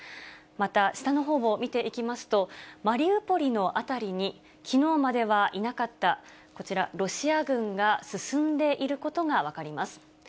また、下のほうを見ていきますと、マリウポリの辺りに、きのうまではいなかったこちら、ロシア軍が進んでいることが分かります。